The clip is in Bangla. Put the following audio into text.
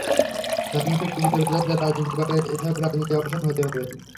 ধর্মকে পুঁজি করে যারা রাজনীতি করে, এসব রাজনীতির অবসান হতে হবে।